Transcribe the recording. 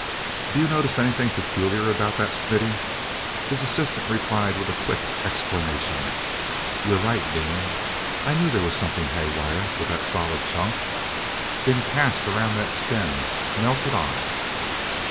Do you notice anything peculiar about that, Smithy?" His assistant replied with a quick exclamation: "You're right, Dean! I knew there was something haywire with that. Solid chunk—been cast around that stem—melted on.